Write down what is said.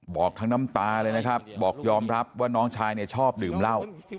บอกทั้งน้ำตาเลยนะครับบอกยอมรับว่าน้องชายเนี่ยชอบดื่มเหล้า